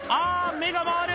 目が回る！